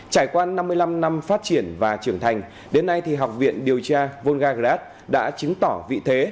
trải qua năm mươi năm năm phát triển và trưởng thành đến nay học viện điều tra volgagrad đã chứng tỏ vị thế